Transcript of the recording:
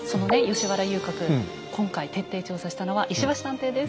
吉原遊郭今回徹底調査したのは石橋探偵です。